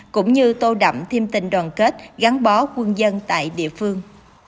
cũng như tô đậm thêm tình đoàn kết gắn bó quân dân tại địa phương